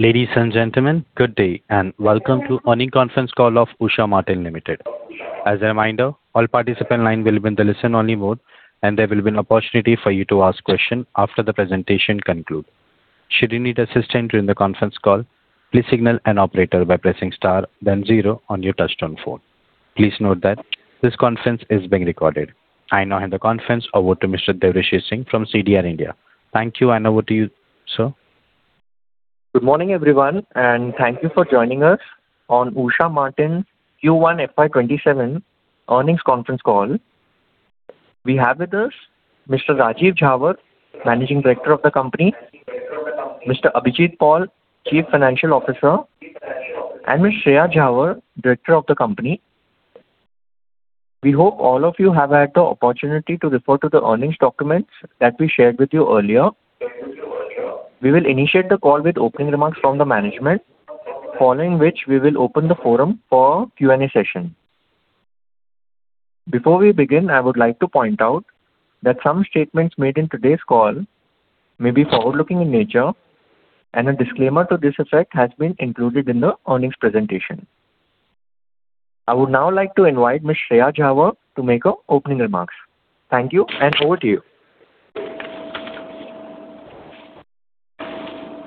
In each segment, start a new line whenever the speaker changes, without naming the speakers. Ladies and gentlemen, good day and welcome to earnings conference call of Usha Martin Limited. As a reminder, all participant line will be in the listen-only mode, and there will be an opportunity for you to ask questions after the presentation concludes. Should you need assistance during the conference call, please signal an operator by pressing star then zero on your touchtone phone. Please note that this conference is being recorded. I now hand the conference over to Mr. Devesh Singh from CDR India. Thank you, and over to you, sir.
Good morning, everyone, thank you for joining us on Usha Martin Q1 FY 2027 earnings conference call. We have with us Mr. Rajeev Jhawar, Managing Director of the company, Mr. Abhijit Paul, Chief Financial Officer, and Ms. Shreya Jhawar, Director of the company. We hope all of you have had the opportunity to refer to the earnings documents that we shared with you earlier. We will initiate the call with opening remarks from the management, following which we will open the forum for a Q&A session. Before we begin, I would like to point out that some statements made in today's call may be forward-looking in nature. A disclaimer to this effect has been included in the earnings presentation. I would now like to invite Ms. Shreya Jhawar to make our opening remarks. Thank you, and over to you.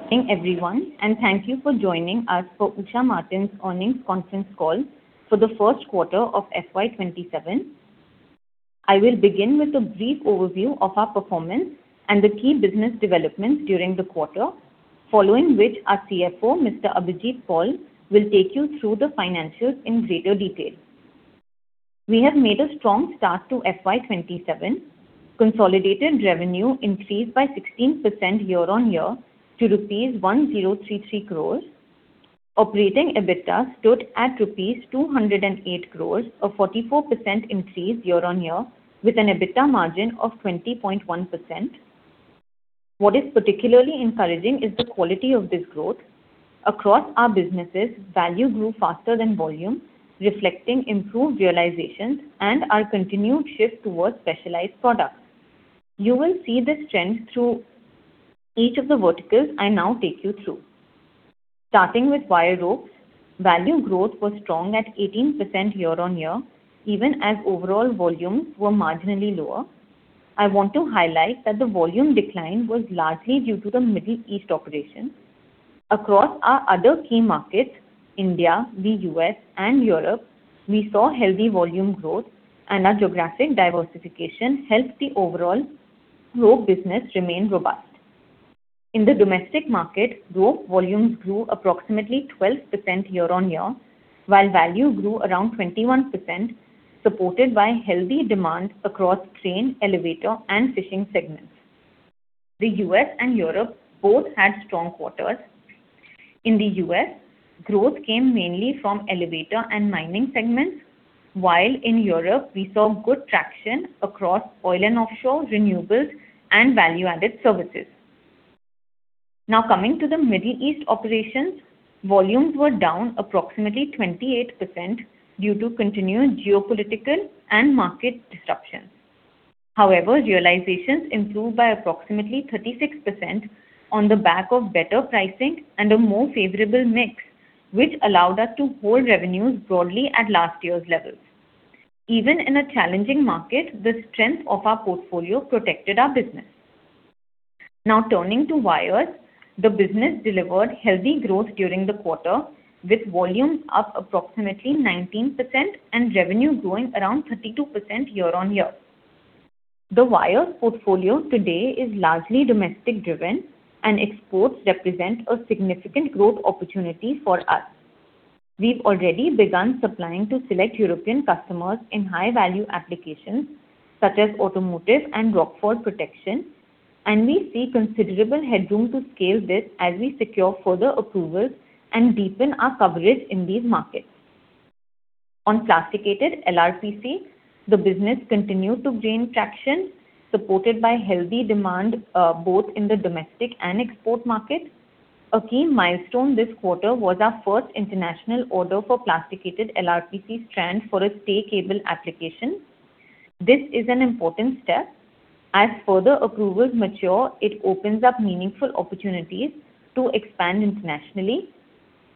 Good morning, everyone, thank you for joining us for Usha Martin's earnings conference call for the first quarter of FY 2027. I will begin with a brief overview of our performance and the key business developments during the quarter, following which our CFO, Mr. Abhijit Paul, will take you through the financials in greater detail. We have made a strong start to FY 2027. Consolidated revenue increased by 16% year-on-year to rupees 1,033 crores. Operating EBITDA stood at rupees 208 crores, a 44% increase year-on-year, with an EBITDA margin of 20.1%. What is particularly encouraging is the quality of this growth. Across our businesses, value grew faster than volume, reflecting improved realizations and our continued shift towards specialized products. You will see this trend through each of the verticals I now take you through. Starting with wire ropes, value growth was strong at 18% year-on-year, even as overall volumes were marginally lower. I want to highlight that the volume decline was largely due to the Middle East operations. Across our other key markets, India, the U.S., and Europe, we saw healthy volume growth and our geographic diversification helped the overall rope business remain robust. In the domestic market, rope volumes grew approximately 12% year-on-year, while value grew around 21%, supported by healthy demand across crane, elevator, and fishing segments. The U.S. and Europe both had strong quarters. In the U.S., growth came mainly from elevator and mining segments, while in Europe, we saw good traction across oil and offshore renewables and value-added services. Now coming to the Middle East operations, volumes were down approximately 28% due to continued geopolitical and market disruptions. However, realizations improved by approximately 36% on the back of better pricing and a more favorable mix, which allowed us to hold revenues broadly at last year's levels. Even in a challenging market, the strength of our portfolio protected our business. Turning to wires. The business delivered healthy growth during the quarter, with volumes up approximately 19% and revenue growing around 32% year-on-year. The wires portfolio today is largely domestic driven, and exports represent a significant growth opportunity for us. We've already begun supplying to select European customers in high-value applications such as automotive and rockfall protection, and we see considerable headroom to scale this as we secure further approvals and deepen our coverage in these markets. On plasticated LRPC, the business continued to gain traction, supported by healthy demand both in the domestic and export markets. A key milestone this quarter was our first international order for plasticated LRPC strand for a stay cable application. This is an important step. As further approvals mature, it opens up meaningful opportunities to expand internationally.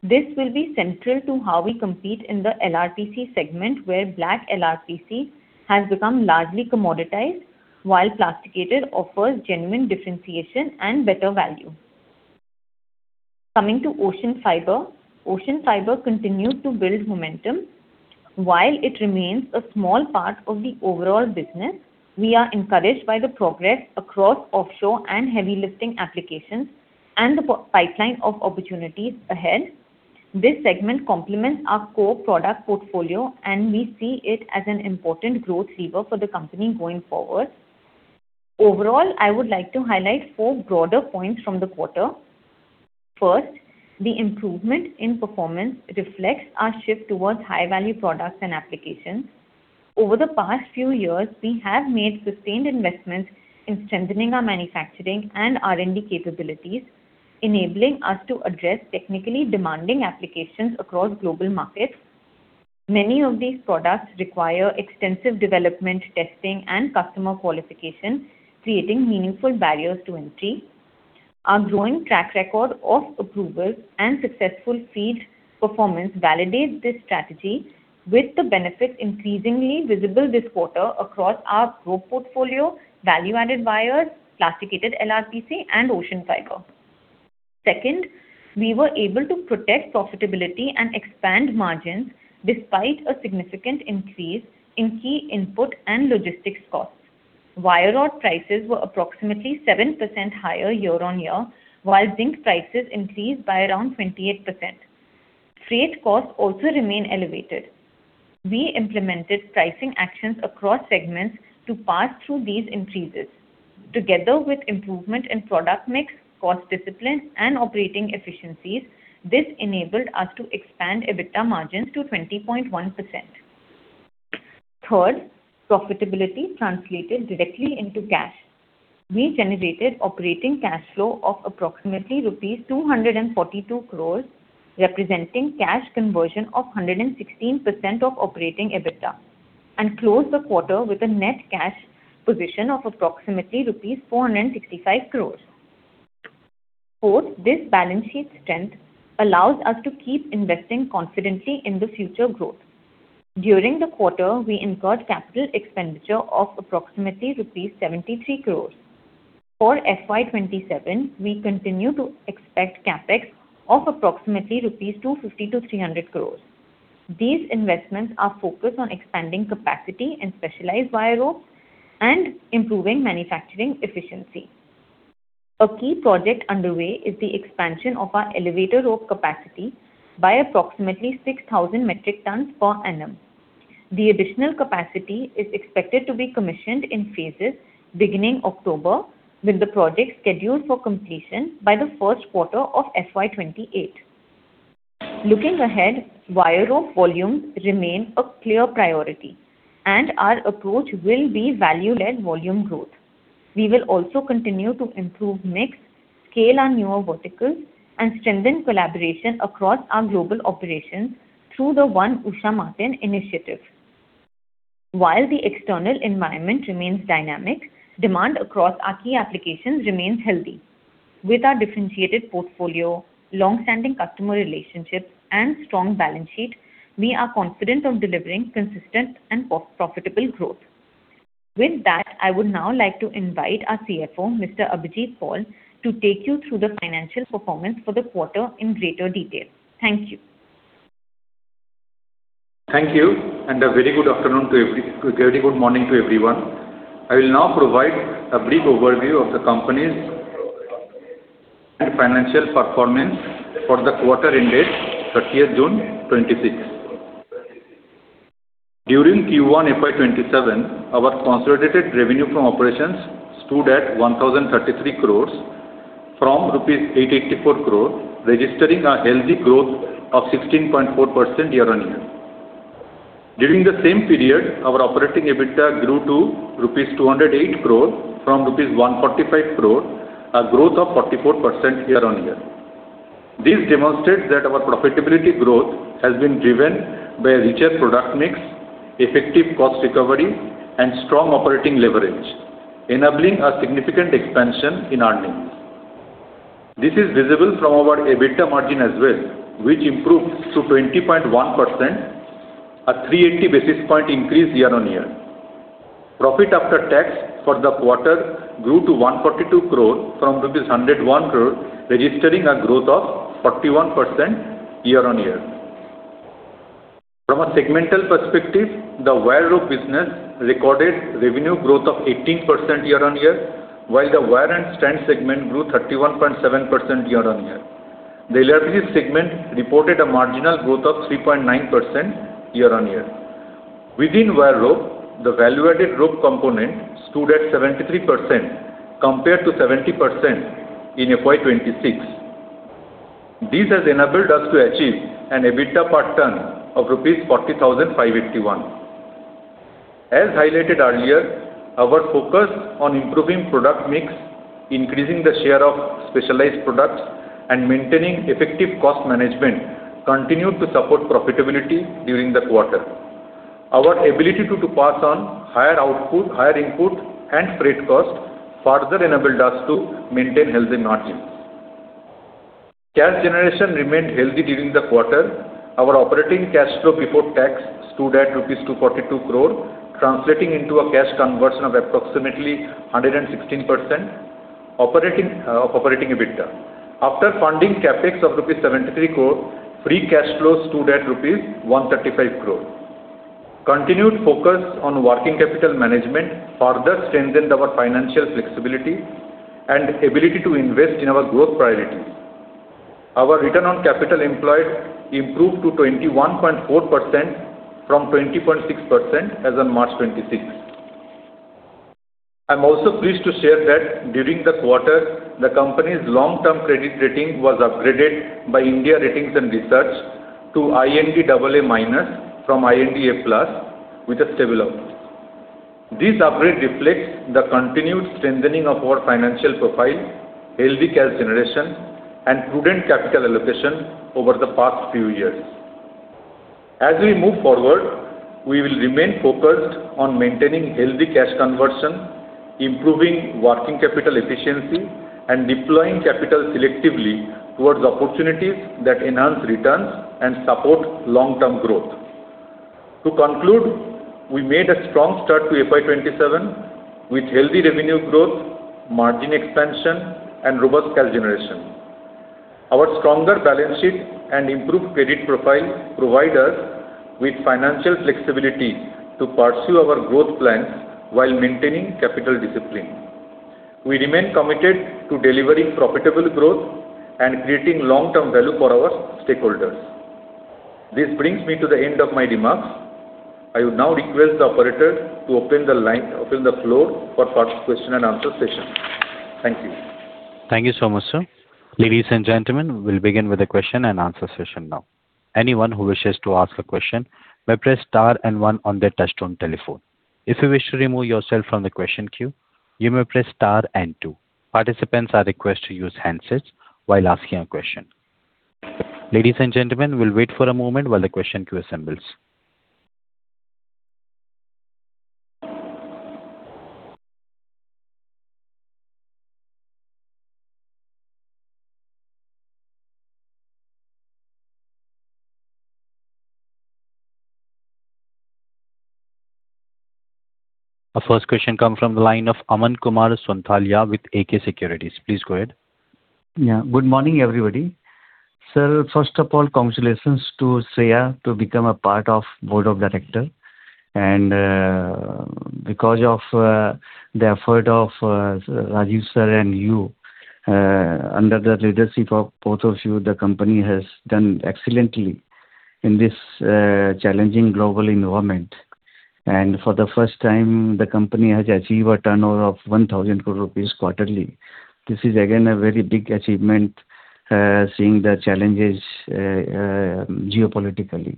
This will be central to how we compete in the LRPC segment, where black LRPC has become largely commoditized, while plasticated offers genuine differentiation and better value. Coming to OceanFibre. OceanFibre continued to build momentum. While it remains a small part of the overall business, we are encouraged by the progress across offshore and heavy lifting applications and the pipeline of opportunities ahead. This segment complements our core product portfolio, and we see it as an important growth lever for the company going forward. Overall, I would like to highlight four broader points from the quarter. First, the improvement in performance reflects our shift towards high-value products and applications. Over the past few years, we have made sustained investments in strengthening our manufacturing and R&D capabilities, enabling us to address technically demanding applications across global markets. Many of these products require extensive development testing and customer qualification, creating meaningful barriers to entry. Our growing track record of approvals and successful field performance validates this strategy with the benefit increasingly visible this quarter across our rope portfolio, value-added wires, plasticated LRPC and OceanFibre. Second, we were able to protect profitability and expand margins despite a significant increase in key input and logistics costs. Wire rod prices were approximately 7% higher year-on-year, while zinc prices increased by around 28%. Freight costs also remain elevated. We implemented pricing actions across segments to pass through these increases. Together with improvement in product mix, cost discipline and operating efficiencies, this enabled us to expand EBITDA margins to 20.1%. Third, profitability translated directly into cash. We generated operating cash flow of approximately rupees 242 crores, representing cash conversion of 116% of operating EBITDA and closed the quarter with a net cash position of approximately rupees 465 crores. Fourth, this balance sheet strength allows us to keep investing confidently in the future growth. During the quarter, we incurred capital expenditure of approximately rupees 73 crores. For FY 2027, we continue to expect CapEx of approximately rupees 250 crores to 300 crores. These investments are focused on expanding capacity in specialized wire ropes and improving manufacturing efficiency. A key project underway is the expansion of our elevator rope capacity by approximately 6,000 metric tons per annum. The additional capacity is expected to be commissioned in phases beginning October, with the project scheduled for completion by the first quarter of FY 2028. Looking ahead, wire rope volumes remain a clear priority and our approach will be value-led volume growth. We will also continue to improve mix, scale our newer verticals and strengthen collaboration across our global operations through the One Usha Martin initiative. While the external environment remains dynamic, demand across our key applications remains healthy. With our differentiated portfolio, long-standing customer relationships and strong balance sheet, we are confident of delivering consistent and profitable growth. With that, I would now like to invite our CFO, Mr. Abhijit Paul, to take you through the financial performance for the quarter in greater detail. Thank you.
Thank you. A very good morning to everyone. I will now provide a brief overview of the company's financial performance for the quarter ended June 30th, 2026. During Q1 FY 2027, our consolidated revenue from operations stood at 1,033 crore from rupees 884 crore, registering a healthy growth of 16.4% year-on-year. During the same period, our operating EBITDA grew to rupees 208 crore from rupees 145 crore, a growth of 44% year-on-year. This demonstrates that our profitability growth has been driven by a richer product mix, effective cost recovery and strong operating leverage, enabling a significant expansion in earnings. This is visible from our EBITDA margin as well, which improved to 20.1%, a 380 basis point increase year-on-year. Profit after tax for the quarter grew to 142 crore from rupees 101 crore, registering a growth of 41% year-on-year. From a segmental perspective, the wire rope business recorded revenue growth of 18% year-on-year, while the wire and strand segment grew 31.7% year-on-year. The LRPC segment reported a marginal growth of 3.9% year-on-year. Within wire rope, the value-added rope component stood at 73% compared to 70% in FY 2026. This has enabled us to achieve an EBITDA per ton of rupees 40,581. As highlighted earlier, our focus on improving product mix, increasing the share of specialized products and maintaining effective cost management continued to support profitability during the quarter. Our ability to pass on higher input and freight cost further enabled us to maintain healthy margins. Cash generation remained healthy during the quarter. Our operating cash flow before tax stood at rupees 242 crore, translating into a cash conversion of approximately 116% of operating EBITDA. After funding CapEx of rupees 73 crore, free cash flow stood at rupees 135 crore. Continued focus on working capital management further strengthened our financial flexibility and ability to invest in our growth priorities. Our return on capital employed improved to 21.4% from 20.6% as on March 2026. I'm also pleased to share that during the quarter, the company's long-term credit rating was upgraded by India Ratings and Research to IND AA- from IND A+ with a stable outlook. This upgrade reflects the continued strengthening of our financial profile, healthy cash generation, and prudent capital allocation over the past few years. As we move forward, we will remain focused on maintaining healthy cash conversion, improving working capital efficiency, and deploying capital selectively towards opportunities that enhance returns and support long-term growth. To conclude, we made a strong start to FY 2027 with healthy revenue growth, margin expansion, and robust cash generation. Our stronger balance sheet and improved credit profile provide us with financial flexibility to pursue our growth plans while maintaining capital discipline. We remain committed to delivering profitable growth and creating long-term value for our stakeholders. This brings me to the end of my remarks. I would now request the operator to open the floor for question-and-answer session. Thank you.
Thank you so much, sir. Ladies and gentlemen, we will begin with the question-and-answer session now. Anyone who wishes to ask a question may press star and one on their touchtone telephone. If you wish to remove yourself from the question queue, you may press star and two. Participants are requested to use handsets while asking a question. Ladies and gentlemen, we will wait for a moment while the question queue assembles. Our first question comes from the line of Aman Kumar Sonthalia with AK Securities. Please go ahead.
Yeah. Good morning, everybody. Sir, first of all, congratulations to Shreya to become a part of board of director. And because of the effort of Rajeev sir and you, under the leadership of both of you, the company has done excellently in this challenging global environment. And for the first time, the company has achieved a turnover of 1,000 crore rupees quarterly. This is again a very big achievement, seeing the challenges geopolitically.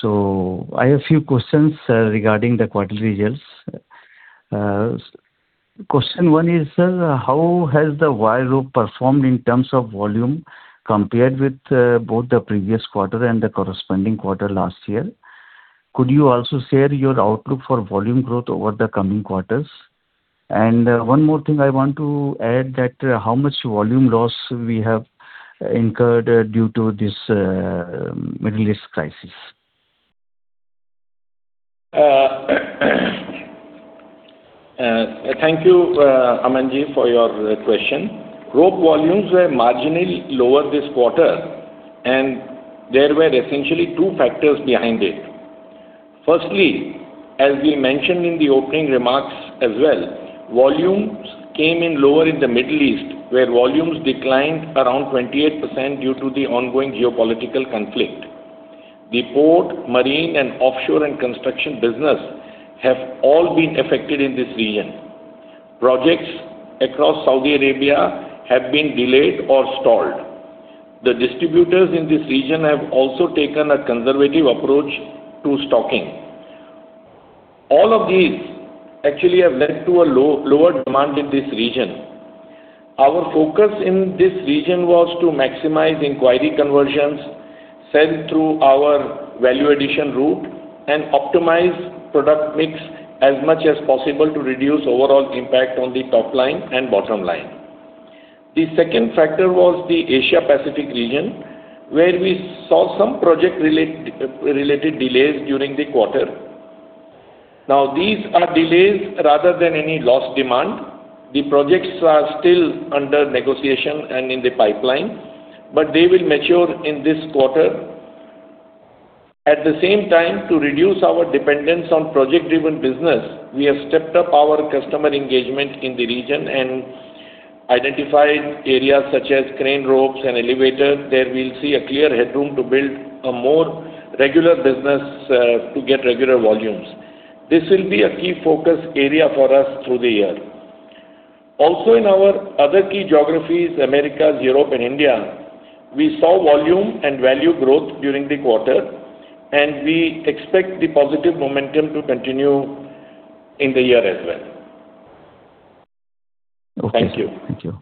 So I have few questions regarding the quarterly results. Question one is, how has the wire rope performed in terms of volume compared with both the previous quarter and the corresponding quarter last year? Could you also share your outlook for volume growth over the coming quarters? And one more thing I want to add that how much volume loss we have incurred due to this Middle East crisis.
Thank you, Aman Ji, for your question. Rope volumes were marginally lower this quarter, and there were essentially two factors behind it. Firstly, as we mentioned in the opening remarks as well, volumes came in lower in the Middle East, where volumes declined around 28% due to the ongoing geopolitical conflict. The port, marine, and offshore and construction business have all been affected in this region. Projects across Saudi Arabia have been delayed or stalled. The distributors in this region have also taken a conservative approach to stocking. All of these actually have led to a lower demand in this region. Our focus in this region was to maximize inquiry conversions, sell through our value addition route, and optimize product mix as much as possible to reduce overall impact on the top line and bottom line. The second factor was the Asia Pacific region, where we saw some project-related delays during the quarter. These are delays rather than any lost demand. The projects are still under negotiation and in the pipeline, but they will mature in this quarter. At the same time, to reduce our dependence on project-driven business, we have stepped up our customer engagement in the region and identified areas such as crane ropes and elevator that we'll see a clear headroom to build a more regular business to get regular volumes. This will be a key focus area for us through the year. In our other key geographies, Americas, Europe, and India, we saw volume and value growth during the quarter, and we expect the positive momentum to continue in the year as well.
Okay.
Thank you.
Thank you.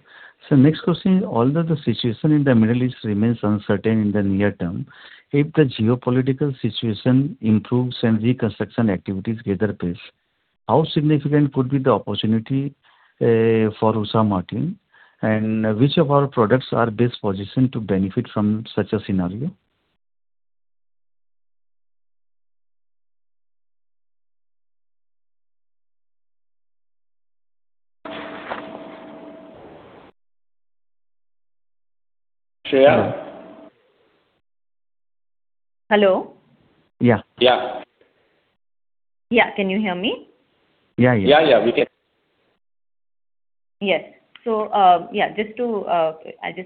Sir, next question, although the situation in the Middle East remains uncertain in the near term, if the geopolitical situation improves and reconstruction activities gather pace, how significant could be the opportunity for Usha Martin? Which of our products are best positioned to benefit from such a scenario?
Shreya?
Hello?
Yeah.
Yeah.
Yeah, can you hear me?
Yeah.
Yeah, we can.
Yes. I'll just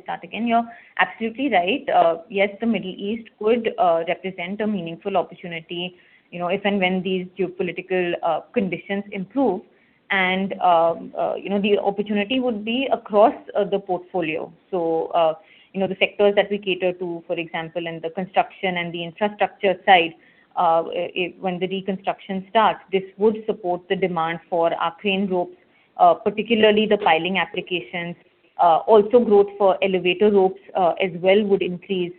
start again. You're absolutely right. Yes, the Middle East could represent a meaningful opportunity if and when these geopolitical conditions improve. The opportunity would be across the portfolio. The sectors that we cater to, for example, in the construction and the infrastructure side, when the reconstruction starts, this would support the demand for our crane ropes, particularly the piling applications. Also growth for elevator ropes as well would increase.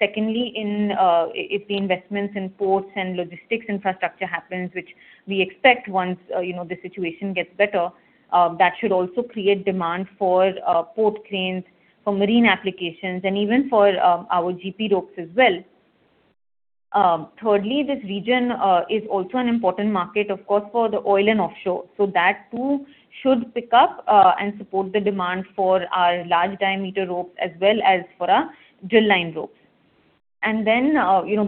Secondly, if the investments in ports and logistics infrastructure happens, which we expect once the situation gets better, that should also create demand for port cranes, for marine applications, and even for our GP ropes as well. Thirdly, this region is also an important market, of course, for the oil and offshore. That too should pick up and support the demand for our large diameter ropes as well as for our drill line ropes. Then,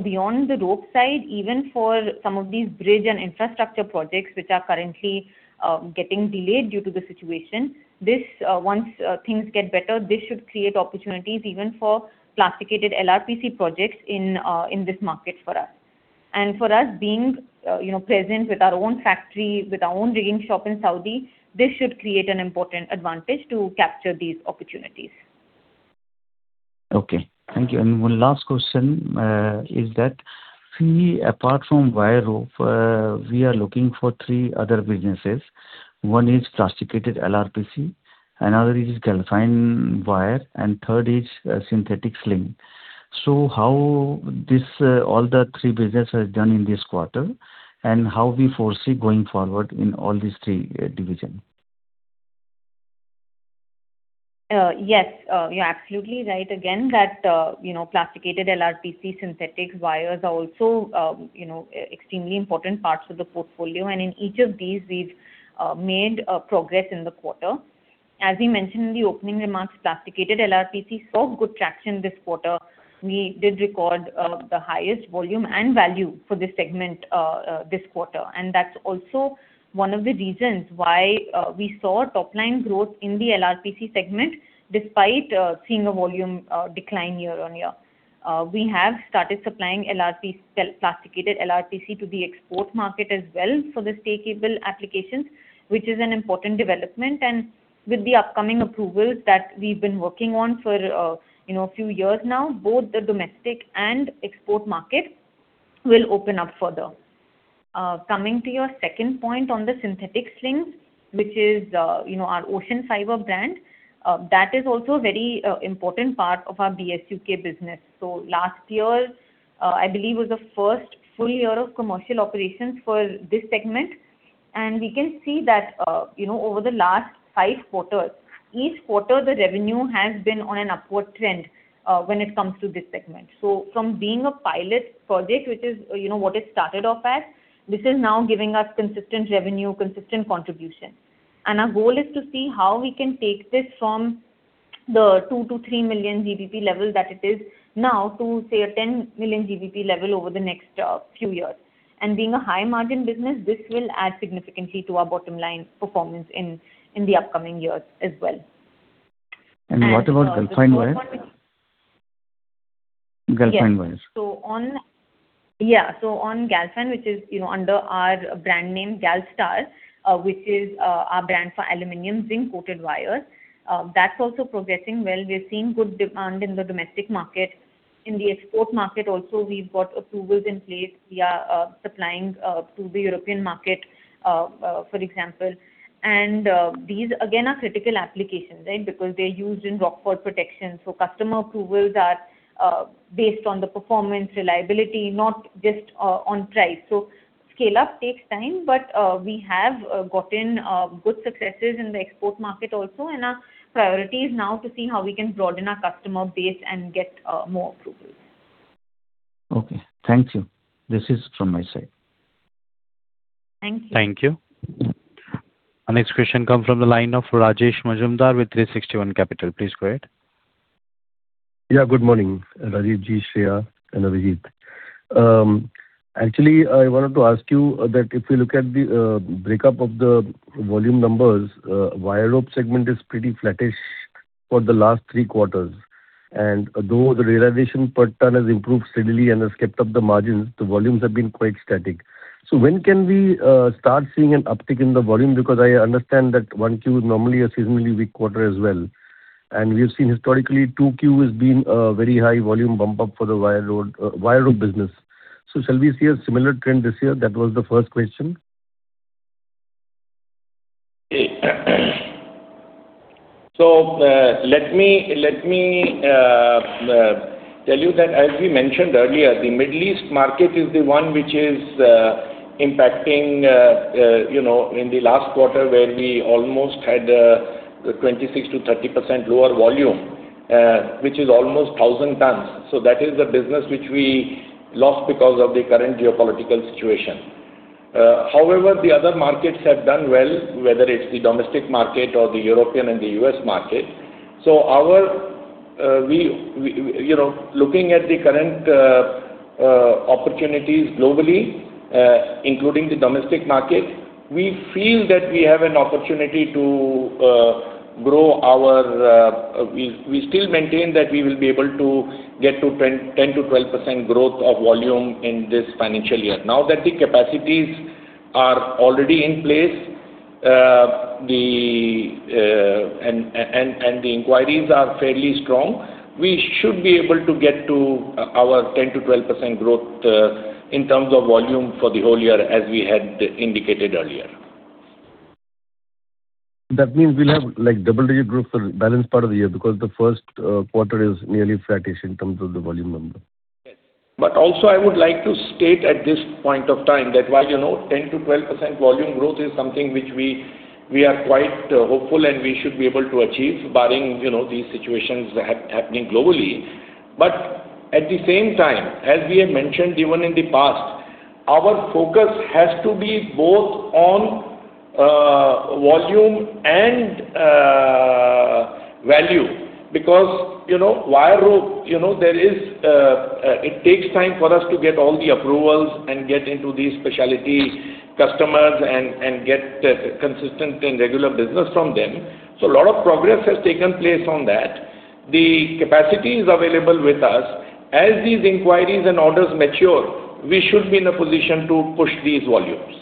beyond the rope side, even for some of these bridge and infrastructure projects, which are currently getting delayed due to the situation, once things get better, this should create opportunities even for plasticated LRPC projects in this market for us. For us being present with our own factory, with our own rigging shop in Saudi, this should create an important advantage to capture these opportunities.
Okay. Thank you. One last question is that, apart from wire rope, we are looking for three other businesses. One is plasticated LRPC, another is Galfan wire, and third is synthetic sling. How all the three businesses has done in this quarter, and how we foresee going forward in all these three divisions.
Yes, you're absolutely right again that plasticated LRPC synthetic wires are also extremely important parts of the portfolio. In each of these, we've made progress in the quarter. As we mentioned in the opening remarks, plasticated LRPC saw good traction this quarter. We did record the highest volume and value for this segment this quarter. That's also one of the reasons why we saw top-line growth in the LRPC segment despite seeing a volume decline year-on-year. We have started supplying plasticated LRPC to the export market as well for the stay cable applications, which is an important development. With the upcoming approvals that we've been working on for a few years now, both the domestic and export market will open up further. Coming to your second point on the synthetic slings, which is our OceanFibre brand. That is also a very important part of our BSUK business. Last year, I believe, was the first full year of commercial operations for this segment. We can see that over the last five quarters, each quarter the revenue has been on an upward trend when it comes to this segment. From being a pilot project, which is what it started off as, this is now giving us consistent revenue, consistent contribution. Our goal is to see how we can take this from the 2 million-3 million GBP level that it is now to, say, a 10 million GBP level over the next few years. Being a high margin business, this will add significantly to our bottom line performance in the upcoming years as well.
What about Galfan wires? Galfan wires.
On Galfan, which is under our brand name Galstar, which is our brand for aluminum zinc-coated wires. That's also progressing well. We're seeing good demand in the domestic market. In the export market also, we've got approvals in place. We are supplying to the European market, for example. These again are critical applications, because they're used in rockfall protection. Customer approvals are based on the performance reliability, not just on price. Scale-up takes time, but we have gotten good successes in the export market also. Our priority is now to see how we can broaden our customer base and get more approvals.
Okay. Thank you. This is from my side.
Thank you.
Thank you. Our next question come from the line of Rajesh Majumdar with 360 ONE Capital. Please go ahead.
Yeah, good morning, Rajeev, Shreya, and Abhijit. Actually, I wanted to ask you that if we look at the breakup of the volume numbers, wire rope segment is pretty flattish for the last three quarters. Though the realization per ton has improved steadily and has kept up the margins, the volumes have been quite static. When can we start seeing an uptick in the volume? I understand that 1Q is normally a seasonally weak quarter as well, and we've seen historically 2Q has been a very high volume bump up for the wire rope business. Shall we see a similar trend this year? That was the first question.
Let me tell you that, as we mentioned earlier, the Middle East market is the one which is impacting, in the last quarter where we almost had a 26%-30% lower volume, which is almost 1,000 tons. That is the business which we lost because of the current geopolitical situation. However, the other markets have done well, whether it's the domestic market or the European and the U.S. market. Looking at the current opportunities globally, including the domestic market, we feel that we have an opportunity to grow. We still maintain that we will be able to get to 10%-12% growth of volume in this financial year. Now that the capacities are already in place, the inquiries are fairly strong. We should be able to get to our 10%-12% growth in terms of volume for the whole year, as we had indicated earlier.
That means we'll have double-digit growth for the balance part of the year because the first quarter is nearly flattish in terms of the volume number.
Yes. Also, I would like to state at this point of time that while 10%-12% volume growth is something which we are quite hopeful and we should be able to achieve barring these situations happening globally. At the same time, as we have mentioned, even in the past, our focus has to be both on volume and value because wire rope, it takes time for us to get all the approvals and get into these specialty customers and get consistent and regular business from them. A lot of progress has taken place on that. The capacity is available with us. As these inquiries and orders mature, we should be in a position to push these volumes.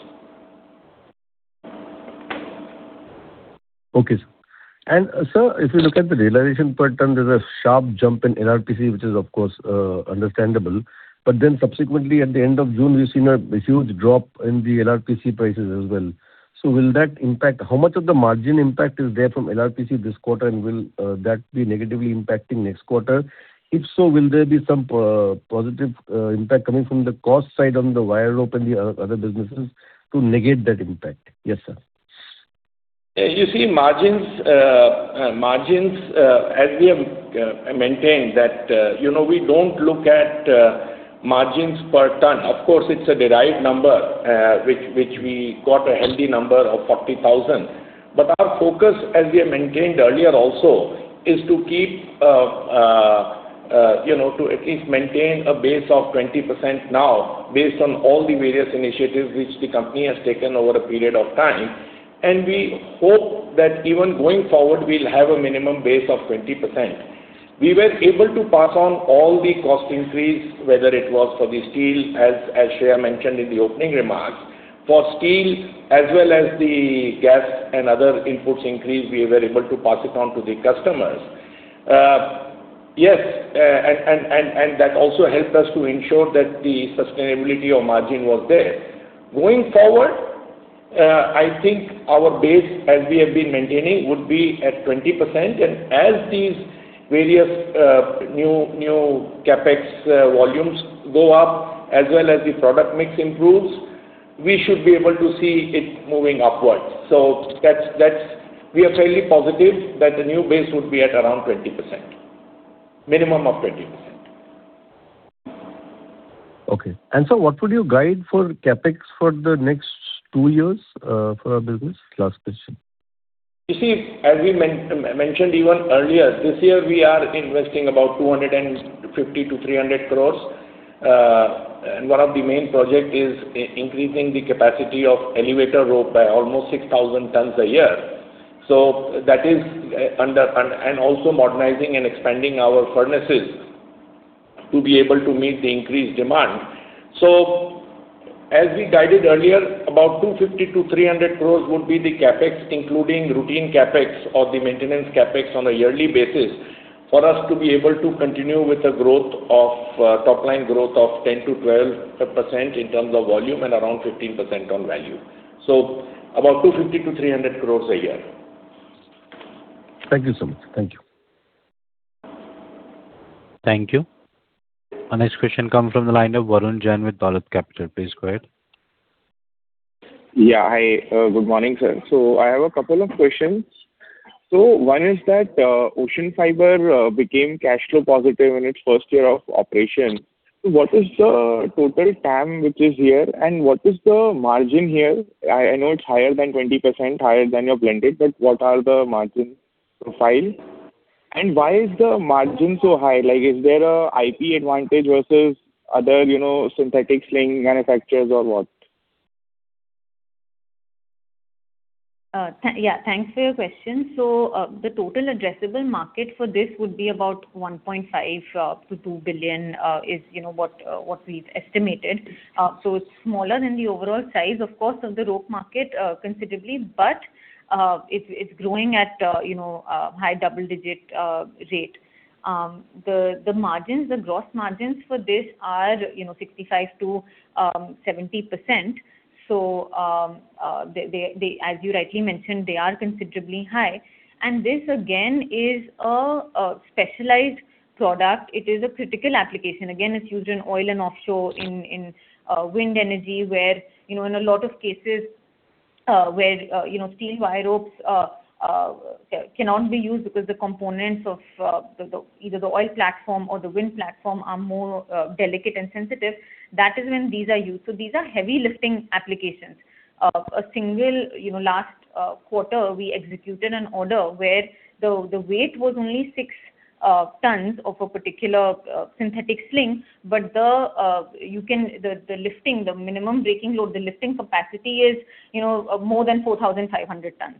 Okay, sir. Sir, if you look at the realization per ton, there's a sharp jump in LRPC, which is of course understandable. Subsequently at the end of June, we've seen a huge drop in the LRPC prices as well. Will that impact? How much of the margin impact is there from LRPC this quarter, and will that be negatively impacting next quarter? If so, will there be some positive impact coming from the cost side on the wire rope and the other businesses to negate that impact? Yes, sir.
You see, margins, as we have maintained that we don't look at margins per ton. Of course, it's a derived number, which we got a healthy number of 40,000. Our focus, as we have maintained earlier also, is to at least maintain a base of 20% now based on all the various initiatives which the company has taken over a period of time. We hope that even going forward, we'll have a minimum base of 20%. We were able to pass on all the cost increase, whether it was for the steel, as Shreya mentioned in the opening remarks. For steel as well as the gas and other inputs increase, we were able to pass it on to the customers. Yes, that also helped us to ensure that the sustainability of margin was there. Going forward, I think our base, as we have been maintaining, would be at 20%, and as these various new CapEx volumes go up, as well as the product mix improves, we should be able to see it moving upwards. We are fairly positive that the new base would be at around 20%. Minimum of 20%.
Okay. Sir, what would you guide for CapEx for the next two years for our business? Last question.
You see, as we mentioned even earlier, this year, we are investing about 250 crores-300 crores. One of the main project is increasing the capacity of elevator rope by almost 6,000 tons a year. Also modernizing and expanding our furnaces to be able to meet the increased demand. As we guided earlier, about 250 crores-300 crores would be the CapEx, including routine CapEx or the maintenance CapEx on a yearly basis for us to be able to continue with a top-line growth of 10%-12% in terms of volume and around 15% on value. About 250 crores-300 crores a year.
Thank you so much. Thank you.
Thank you. Our next question comes from the line of Varun Jain with Dolat Capital. Please go ahead.
Yeah. Hi. Good morning, sir. I have a couple of questions. One is that OceanFibre became cash flow positive in its first year of operation. What is the total TAM which is here and what is the margin here? I know it's higher than 20%, higher than your blended, but what are the margin profile and why is the margin so high? Is there an IP advantage versus other synthetic sling manufacturers or what?
Thanks for your question. The total addressable market for this would be about 1.5 billion-2 billion, is what we've estimated. It's smaller than the overall size, of course, of the rope market considerably, but it's growing at high double-digit rate. The gross margins for this are 65%-70%. As you rightly mentioned, they are considerably high. This again, is a specialized product. It is a critical application. Again, it's used in oil and offshore, in wind energy, where in a lot of cases where steel wire ropes cannot be used because the components of either the oil platform or the wind platform are more delicate and sensitive. That is when these are used. These are heavy lifting applications. Last quarter, we executed an order where the weight was only 6 tons of a particular synthetic sling. But the minimum breaking load, the lifting capacity is more than 4,500 tons.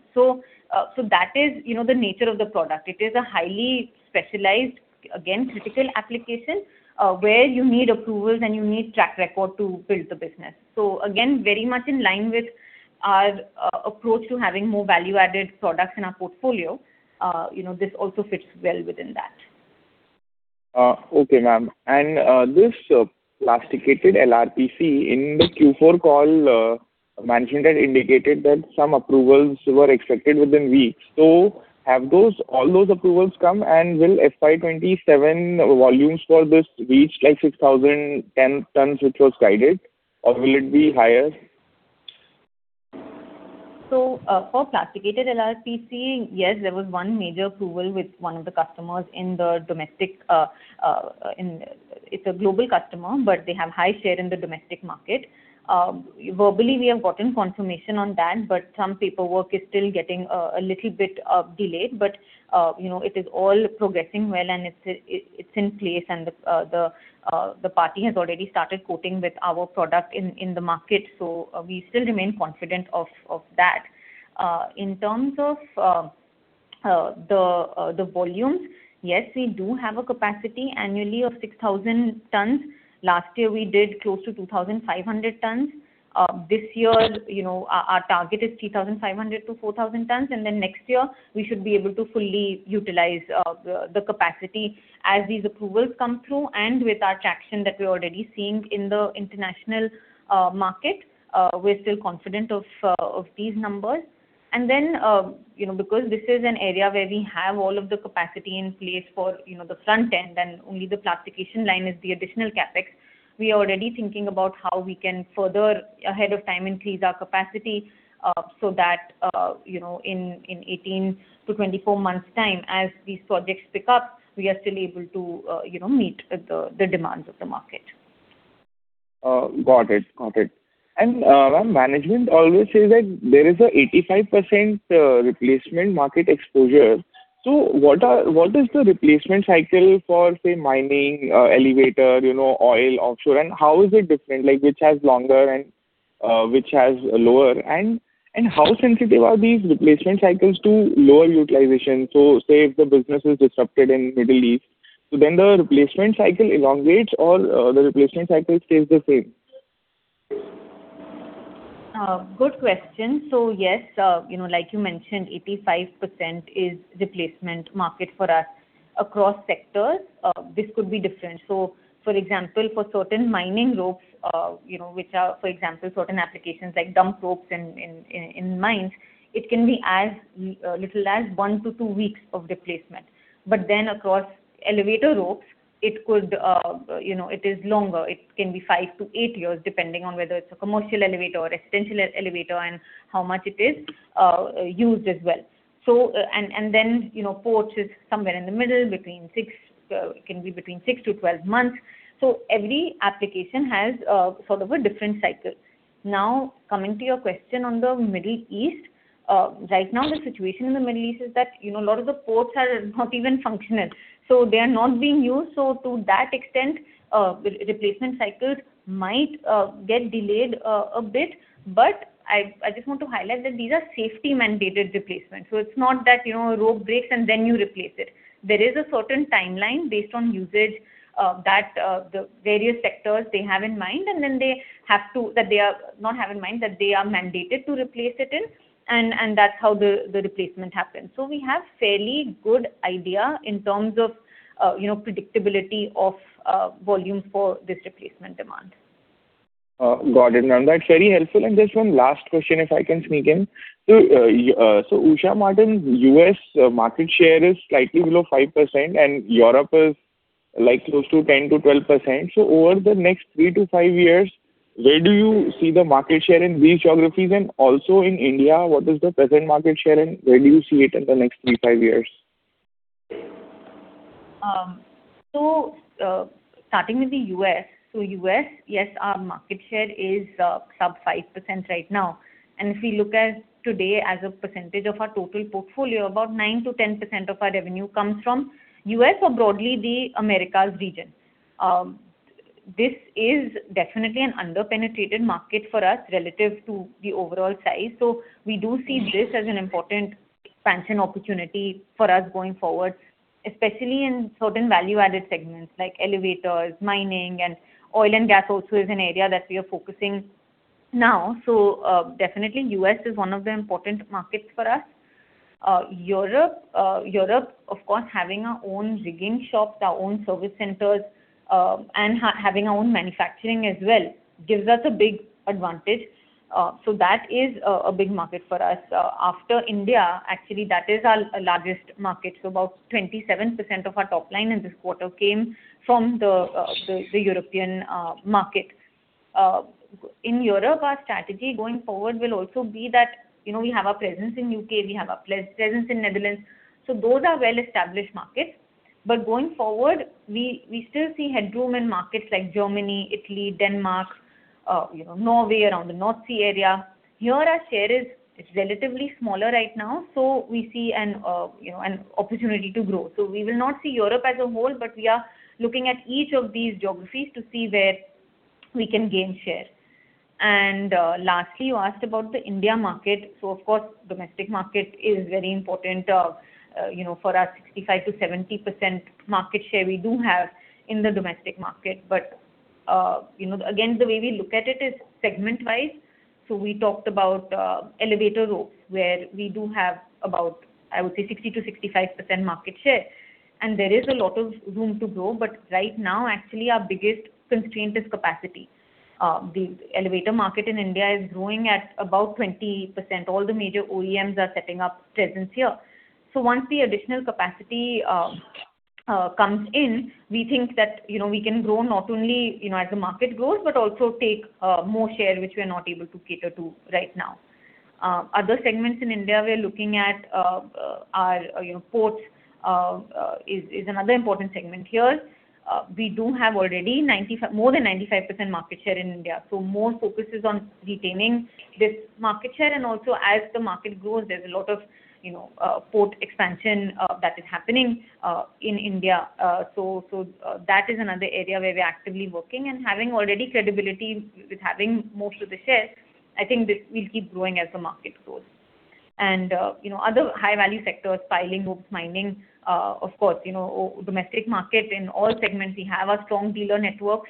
That is the nature of the product. It is a highly specialized, again, critical application, where you need approvals and you need track record to build the business. Again, very much in line with our approach to having more value-added products in our portfolio. This also fits well within that.
Okay, ma'am. This plasticated LRPC in the Q4 call, management had indicated that some approvals were expected within weeks. Have all those approvals come, and will FY 2027 volumes for this reach like 6,010 tons, which was guided, or will it be higher?
For plasticated LRPC, yes, there was one major approval with one of the customers. It's a global customer, but they have high share in the domestic market. Verbally, we have gotten confirmation on that, but some paperwork is still getting a little bit delayed. But it is all progressing well, and it's in place, and the party has already started quoting with our product in the market. We still remain confident of that. In terms of the volumes, yes, we do have a capacity annually of 6,000 tons. Last year, we did close to 2,500 tons. This year, our target is 3,500 tons-4,000 tons, and then next year we should be able to fully utilize the capacity as these approvals come through. And with our traction that we're already seeing in the international market, we're still confident of these numbers. Because this is an area where we have all of the capacity in place for the front end and only the plastification line is the additional CapEx, we are already thinking about how we can further ahead of time increase our capacity, so that in 18-24 months' time, as these projects pick up, we are still able to meet the demands of the market.
Got it. Management always says that there is a 85% replacement market exposure. What is the replacement cycle for, say, mining, elevator, oil offshore, and how is it different? Which has longer and which has lower, and how sensitive are these replacement cycles to lower utilization? Say if the business is disrupted in Middle East, so then the replacement cycle elongates, or the replacement cycle stays the same?
Good question. Yes, like you mentioned, 85% is replacement market for us. Across sectors, this could be different. For example, for certain mining ropes, which are, for example, certain applications like dump ropes in mines, it can be as little as one to two weeks of replacement. Across elevator ropes, it is longer. It can be five to eight years, depending on whether it's a commercial elevator or a residential elevator and how much it is used as well. Ports is somewhere in the middle, it can be between six to 12 months. Every application has sort of a different cycle. Now, coming to your question on the Middle East. Right now, the situation in the Middle East is that a lot of the ports are not even functional, so they are not being used. To that extent, replacement cycles might get delayed a bit. I just want to highlight that these are safety mandated replacements. It's not that a rope breaks and then you replace it. There is a certain timeline based on usage that the various sectors they have in mind, that they are mandated to replace it in, and that's how the replacement happens. We have fairly good idea in terms of predictability of volume for this replacement demand.
Got it, ma'am. That's very helpful. Just one last question, if I can sneak in. Usha Martin's U.S. market share is slightly below 5%, and Europe is close to 10%-12%. Over the next three to five years, where do you see the market share in these geographies? Also in India, what is the present market share, and where do you see it in the next three, five years?
Starting with the U.S. U.S., yes, our market share is sub 5% right now. If we look at today as a percentage of our total portfolio, about 9%-10% of our revenue comes from the U.S. or broadly the Americas region. This is definitely an under-penetrated market for us relative to the overall size. We do see this as an important expansion opportunity for us going forward, especially in certain value-added segments like elevators, mining, and oil and gas also is an area that we are focusing now. Definitely the U.S. is one of the important markets for us. Europe, of course, having our own rigging shops, our own service centers, and having our own manufacturing as well gives us a big advantage. That is a big market for us. After India, actually, that is our largest market. About 27% of our top line in this quarter came from the European market. In Europe, our strategy going forward will also be that, we have a presence in the U.K., we have a presence in Netherlands, those are well-established markets. Going forward, we still see headroom in markets like Germany, Italy, Denmark, Norway, around the North Sea area. Here our share is relatively smaller right now, we see an opportunity to grow. We will not see Europe as a whole, but we are looking at each of these geographies to see where we can gain share. Lastly, you asked about the India market. Of course, the domestic market is very important. For our 65%-70% market share we do have in the domestic market. Again, the way we look at it is segment-wise. We talked about elevator ropes, where we do have about, I would say, 60%-65% market share, and there is a lot of room to grow. Right now, actually, our biggest constraint is capacity. The elevator market in India is growing at about 20%. All the major OEMs are setting up presence here. Once the additional capacity comes in, we think that we can grow not only as the market grows, but also take more share, which we are not able to cater to right now. Other segments in India we are looking at are ports, is another important segment here. We do have already more than 95% market share in India. More focus is on retaining this market share. Also as the market grows, there is a lot of port expansion that is happening in India. That is another area where we're actively working and having already credibility with having most of the shares, I think this will keep growing as the market grows. Other high-value sectors, piling ropes, mining, of course, domestic market. In all segments, we have a strong dealer network,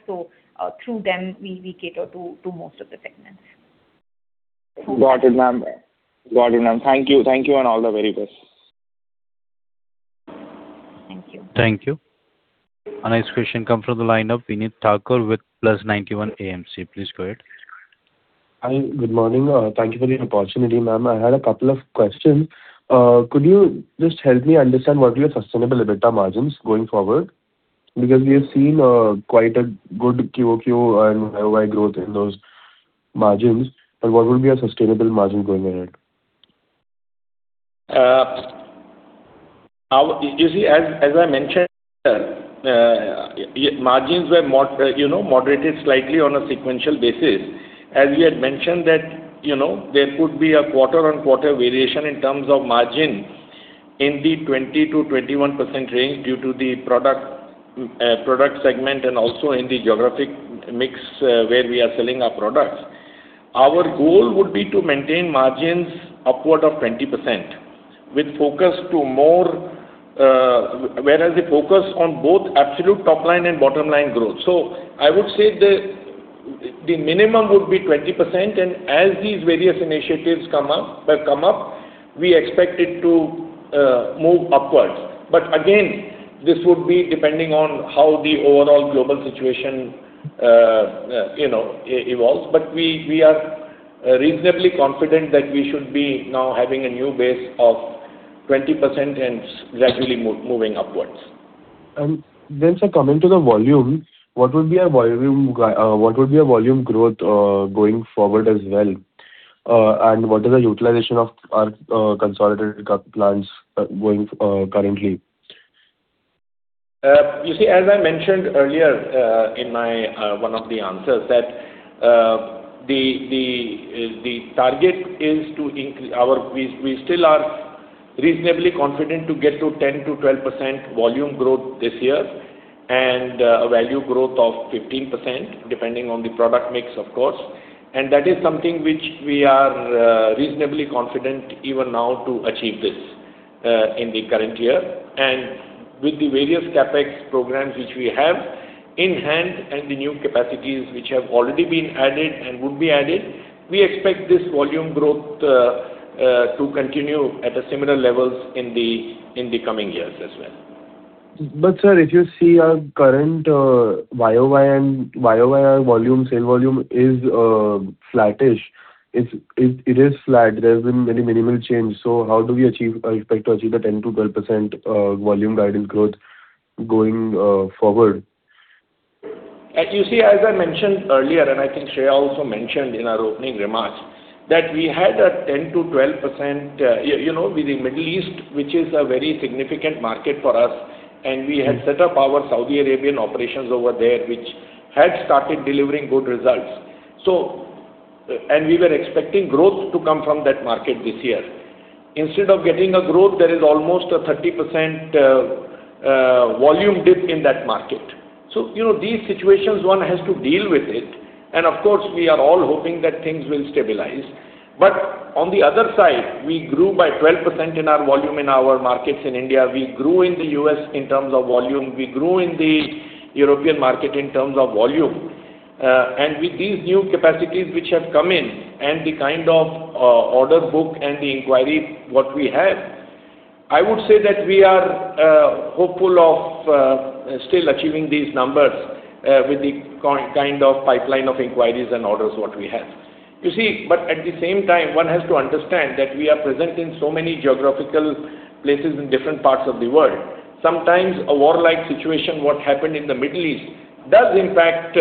through them, we cater to most of the segments.
Got it, ma'am. Thank you, and all the very best.
Thank you.
Thank you. Our next question comes from the line of Vineet Thakur with Plus91 AMC. Please go ahead.
Hi. Good morning. Thank you for the opportunity, ma'am. I had a couple of questions. Could you just help me understand what your sustainable EBITDA margins going forward? Because we have seen quite a good QoQ and YoY growth in those margins, but what would be a sustainable margin going ahead?
You see, as I mentioned, margins were moderated slightly on a sequential basis. As we had mentioned that there could be a quarter-on-quarter variation in terms of margin in the 20%-21% range due to the product segment and also in the geographic mix where we are selling our products. Our goal would be to maintain margins upward of 20%, whereas the focus on both absolute top line and bottom line growth. I would say the minimum would be 20%, and as these various initiatives come up, we expect it to move upwards. Again, this would be depending on how the overall global situation evolves. We are reasonably confident that we should be now having a new base of 20% and gradually moving upwards.
Sir, coming to the volume, what would be a volume growth going forward as well? What is the utilization of our consolidated plants going currently?
You see, as I mentioned earlier in one of the answers, that the target is to increase our. We still are reasonably confident to get to 10%-12% volume growth this year and a value growth of 15%, depending on the product mix, of course. That is something which we are reasonably confident even now to achieve this in the current year. With the various CapEx programs which we have in hand and the new capacities which have already been added and would be added, we expect this volume growth to continue at similar levels in the coming years as well.
Sir, if you see our current YoY volume, sale volume is flattish. It is flat. There's been very minimal change. How do we expect to achieve the 10%-12% volume guidance growth going forward?
You see, as I mentioned earlier, I think Shreya also mentioned in our opening remarks, that we had a 10%-12% with the Middle East, which is a very significant market for us, and we had set up our Saudi Arabian operations over there, which had started delivering good results. We were expecting growth to come from that market this year. Instead of getting growth, there is almost a 30% volume dip in that market. These situations, one has to deal with it. Of course, we are all hoping that things will stabilize. On the other side, we grew by 12% in our volume in our markets in India. We grew in the U.S. in terms of volume. We grew in the European market in terms of volume. With these new capacities which have come in and the kind of order book and the inquiry what we have, I would say that we are hopeful of still achieving these numbers with the kind of pipeline of inquiries and orders what we have. You see, at the same time, one has to understand that we are present in so many geographical places in different parts of the world. Sometimes a war-like situation, what happened in the Middle East, does impact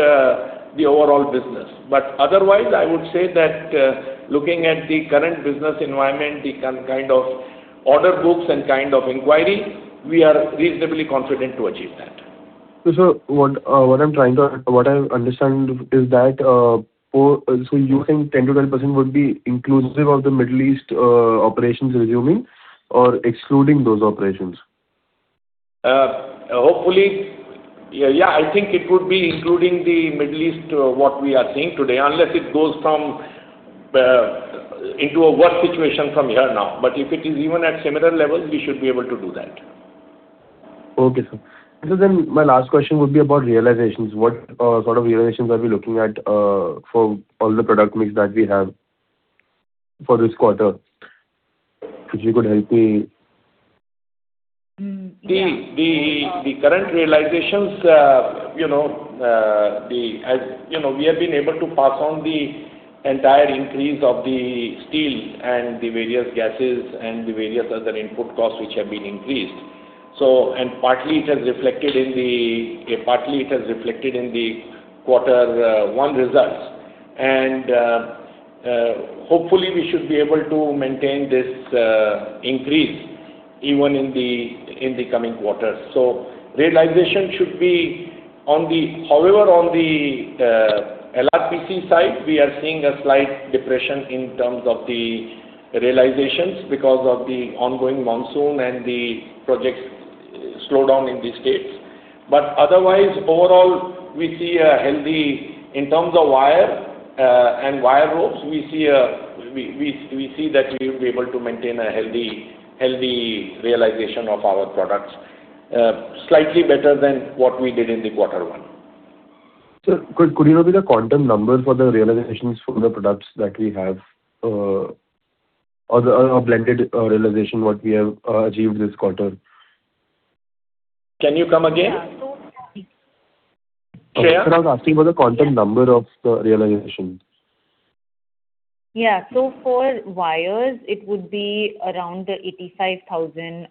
the overall business. Otherwise, I would say that looking at the current business environment, the kind of order books and kind of inquiry, we are reasonably confident to achieve that.
What I'm trying to understand is that, you think 10%-12% would be inclusive of the Middle East operations resuming or excluding those operations?
Hopefully. I think it would be including the Middle East, what we are seeing today, unless it goes into a worse situation from here now. If it is even at similar levels, we should be able to do that.
Okay, sir. Sir, my last question would be about realizations. What sort of realizations are we looking at for all the product mix that we have for this quarter? If you could help me.
The current realizations, we have been able to pass on the entire increase of the steel and the various gases and the various other input costs which have been increased. Partly it has reflected in the quarter one results. Hopefully we should be able to maintain this increase even in the coming quarters. However, on the LRPC side, we are seeing a slight depression in terms of the realizations because of the ongoing monsoon and the projects slowdown in these states. Otherwise, overall, in terms of wire and wire ropes, we see that we will be able to maintain a healthy realization of our products, slightly better than what we did in the quarter one.
Sir, could you know the quantum number for the realizations for the products that we have, or the blended realization what we have achieved this quarter?
Can you come again? Shreya Jhawar.
Sir, I was asking for the quantum number of the realization.
For wires, it would be around the 85,000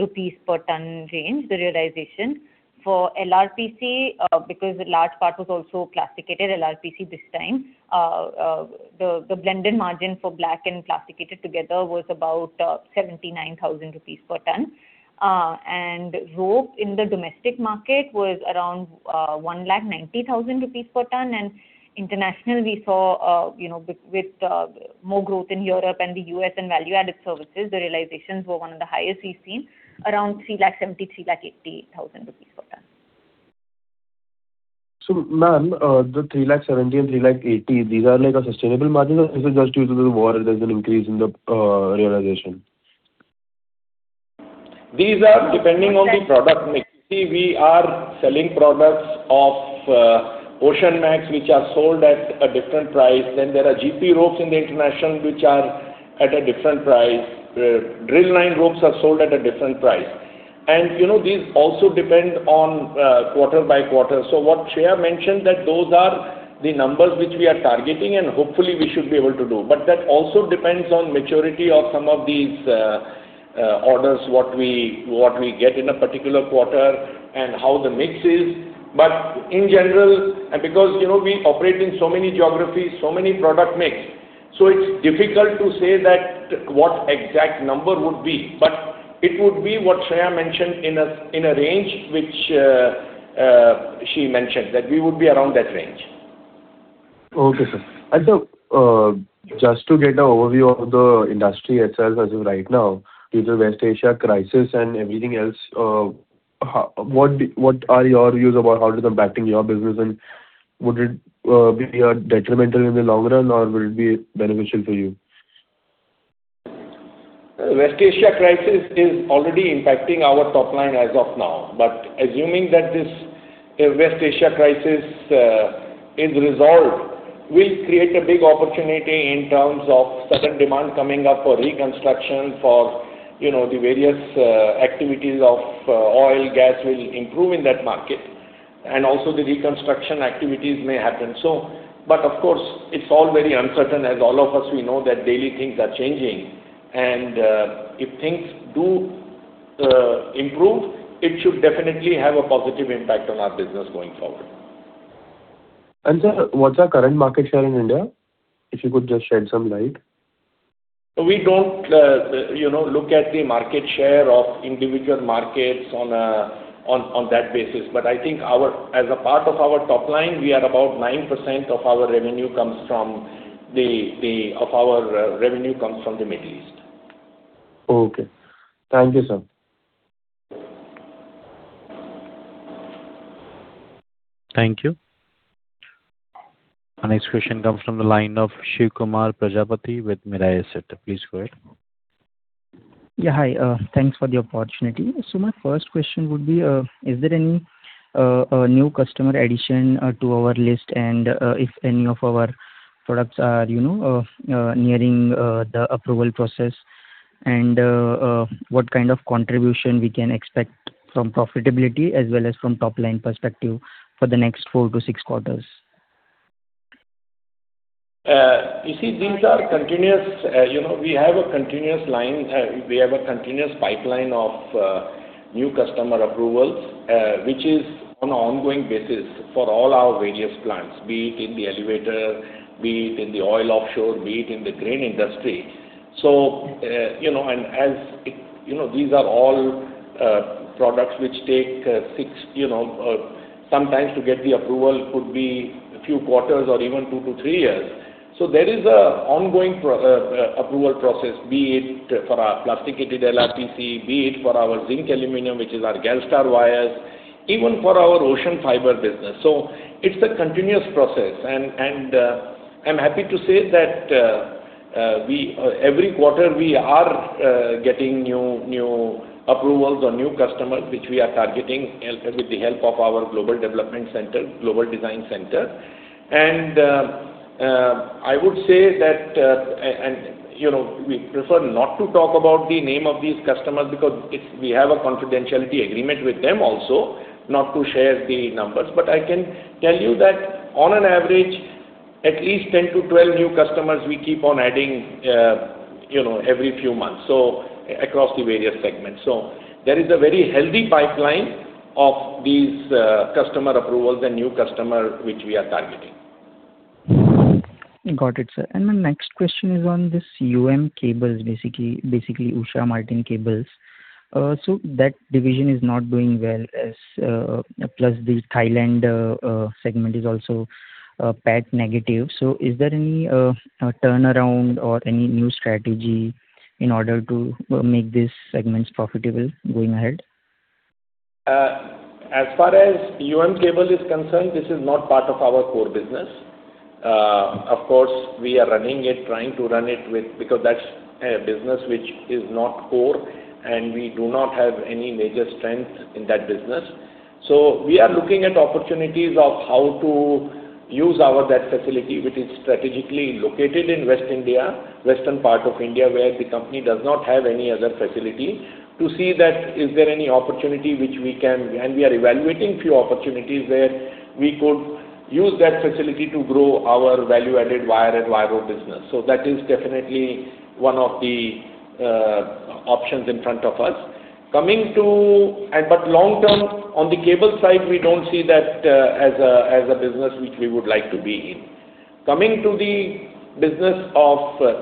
rupees per ton range, the realization. For LRPC, because a large part was also plasticated LRPC this time, the blended margin for black and plasticated together was about 79,000 rupees per ton. Rope in the domestic market was around 190,000 rupees per ton. International we saw with more growth in Europe and the U.S. and value-added services, the realizations were one of the highest we've seen, around 370,000-380,000 per ton.
Ma'am, the 370,000 and 380,000, these are like a sustainable margin, or is it just due to the war there's an increase in the realization?
These are depending on the product mix. We are selling products of OceanMax, which are sold at a different price. There are GP ropes in the international, which are at a different price. Drill line ropes are sold at a different price. These also depend on quarter by quarter. What Shreya mentioned, those are the numbers which we are targeting, and hopefully we should be able to do. That also depends on maturity of some of these orders, what we get in a particular quarter, and how the mix is. In general, because we operate in so many geographies, so many product mix, it's difficult to say that what exact number would be. It would be what Shreya mentioned in a range which she mentioned, that we would be around that range.
Okay, sir. Sir, just to get an overview of the industry itself as of right now, due to West Asia crisis and everything else, what are your views about how it is impacting your business? Would it be detrimental in the long run, or will it be beneficial for you?
West Asia crisis is already impacting our top line as of now. Assuming that this West Asia crisis is resolved, will create a big opportunity in terms of sudden demand coming up for reconstruction for the various activities of oil, gas will improve in that market, and also the reconstruction activities may happen. Of course, it's all very uncertain as all of us we know that daily things are changing. If things do improve, it should definitely have a positive impact on our business going forward.
Sir, what's our current market share in India? If you could just shed some light.
We don't look at the market share of individual markets on that basis. But I think as a part of our top line, we are about 9% of our revenue comes from the Middle East.
Okay. Thank you, sir.
Thank you. Our next question comes from the line of Shiv Kumar Prajapati with Mirae Asset. Please go ahead.
Hi. Thanks for the opportunity. My first question would be, is there any new customer addition to our list, and if any of our products are nearing the approval process? What kind of contribution we can expect from profitability as well as from top-line perspective for the next four to six quarters?
You see, we have a continuous pipeline of new customer approvals, which is on an ongoing basis for all our various plants, be it in the elevator, be it in the oil offshore, be it in the green industry. Sometimes to get the approval could be a few quarters or even two to three years. There is a ongoing approval process, be it for our plasticated LRPC, be it for our zinc aluminum, which is our Galstar wires, even for our OceanFibre business. It's a continuous process, and I'm happy to say that every quarter we are getting new approvals or new customers which we are targeting with the help of our global development center, global design center. I would say that we prefer not to talk about the name of these customers because we have a confidentiality agreement with them also, not to share the numbers. I can tell you that on an average, at least 10-12 new customers, we keep on adding every few months, across the various segments. There is a very healthy pipeline of these customer approvals and new customer which we are targeting.
Got it, sir. My next question is on this UM Cables, basically Usha Martin Cables. That division is not doing well, plus the Thailand segment is also a bit negative. Is there any turnaround or any new strategy in order to make these segments profitable going ahead?
As far as UM Cable is concerned, this is not part of our core business. Of course, we are running it, trying to run it because that's a business which is not core, and we do not have any major strengths in that business. We are looking at opportunities of how to use our facility, which is strategically located in West India, western part of India, where the company does not have any other facility to see that is there any opportunity which we can. We are evaluating few opportunities where we could use that facility to grow our value-added wire and wire rope business. That is definitely one of the options in front of us. Long term, on the cable side, we don't see that as a business which we would like to be in. Coming to the business of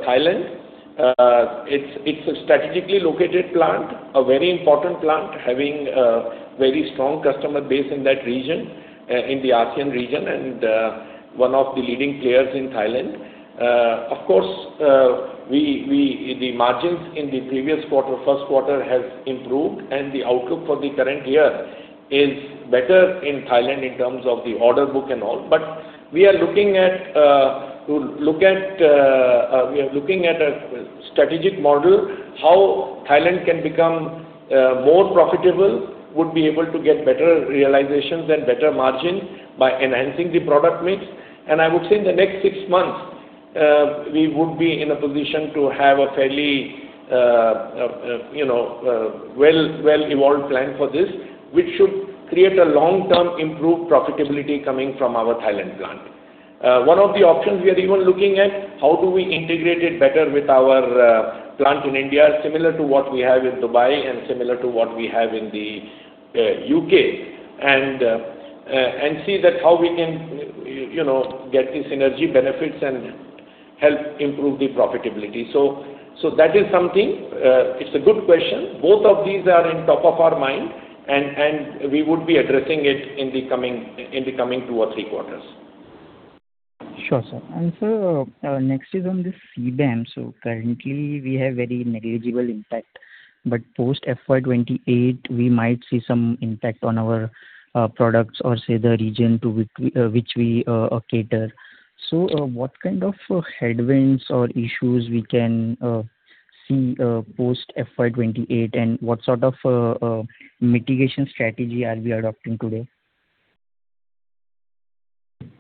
Thailand. It's a strategically located plant, a very important plant, having a very strong customer base in that region, in the ASEAN region, and one of the leading players in Thailand. Of course, the margins in the previous quarter, first quarter, have improved, and the outlook for the current year is better in Thailand in terms of the order book and all. We are looking at a strategic model, how Thailand can become more profitable, would be able to get better realizations and better margin by enhancing the product mix. I would say in the next six months, we would be in a position to have a fairly well-evolved plan for this, which should create a long-term improved profitability coming from our Thailand plant. One of the options we are even looking at, how do we integrate it better with our plant in India, similar to what we have in Dubai and similar to what we have in the U.K., and see how we can get the synergy benefits and help improve the profitability. That is something. It's a good question. Both of these are in top of our mind, and we would be addressing it in the coming two or three quarters.
Sure, sir. Sir, next is on this CBAM. Currently we have very negligible impact, but post FY 2028, we might see some impact on our products or, say, the region to which we cater. What kind of headwinds or issues we can see post FY 2028, and what sort of mitigation strategy are we adopting today?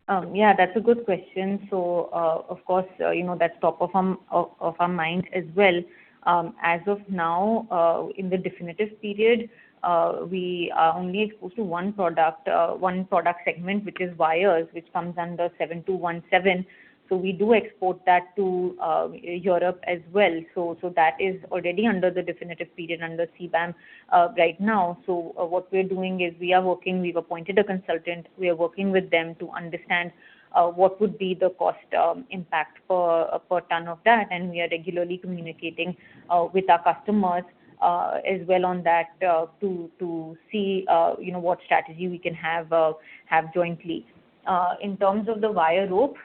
That's a good question. Of course, that's top of our mind as well. As of now, in the definitive period, we are only exposed to one product segment, which is wires, which comes under 7217. We do export that to Europe as well. That is already under the definitive period under CBAM right now. What we're doing is we are working. We've appointed a consultant. We are working with them to understand what would be the cost impact per ton of that, and we are regularly communicating with our customers as well on that to see what strategy we can have jointly. In terms of the wire rope,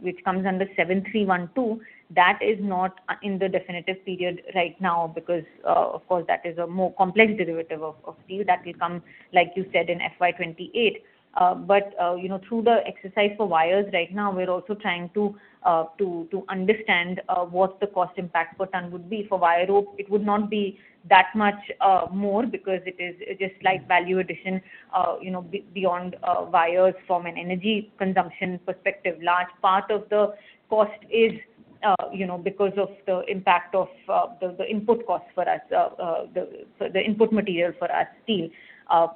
which comes under 7312, that is not in the definitive period right now because, of course, that is a more complex derivative of steel that will come, like you said, in FY 2028. Through the exercise for wires right now, we are also trying to understand what the cost impact per ton would be for wire rope. It would not be that much more because it is just like value addition beyond wires from an energy consumption perspective. Large part of the cost is because of the impact of the input costs for us, the input material for our steel.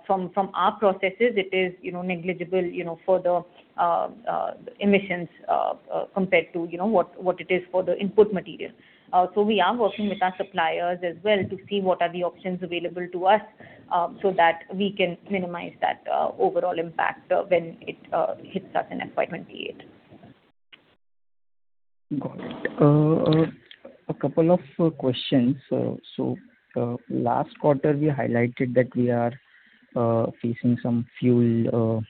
From our processes, it is negligible for the emissions compared to what it is for the input material. We are working with our suppliers as well to see what are the options available to us so that we can minimize that overall impact when it hits us in FY 2028.
Got it. A couple of questions. Last quarter, we highlighted that we are facing some fuel